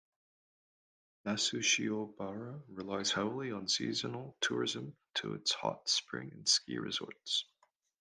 Nasushiobara relies heavily on seasonal tourism to its hot spring and ski resorts.